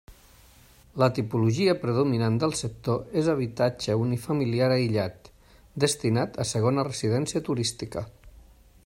La tipologia predominant del sector és habitatge unifamiliar aïllat, destinat a segona residència turística.